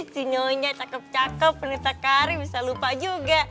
si nyonya cakep cakep penerita karir bisa lupa juga